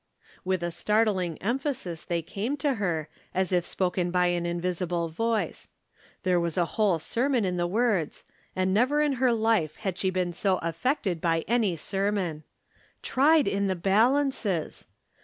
With a startling emphasis they came to her, as if spoken by an invisible voice. There was a jwhole sermon in the words, and never in her life had she been so affected by any sermon. Tried in the balances